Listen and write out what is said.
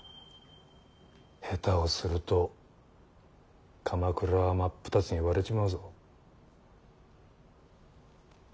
下手をすると鎌倉は真っ二つに割れちまうぞ。